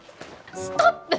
ストップ！